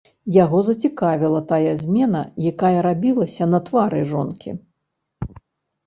Яго зацікавіла тая змена, якая рабілася на твары жонкі.